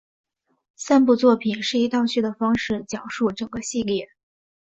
三部作品是以倒叙的方式讲述整个系列。